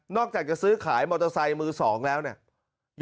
อกจากจะซื้อขายมอเตอร์ไซค์มือสองแล้วเนี่ย